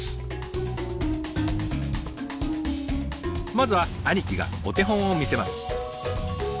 まずは兄貴がお手本を見せます。